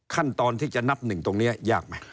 ขั้นตอนที่จะนับหนึ่งตรงนี้ยากไหม